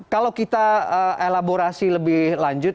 kalau kita elaborasi lebih lanjut